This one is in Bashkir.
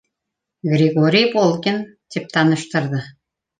— Григорий Волгин, — тип таныштырҙы.